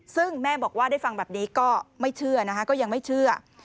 ซึ่งแม่บอกว่าได้ฟังแบบนี้ก็ไม่เชื่อนะคะก็ยังไม่เชื่อ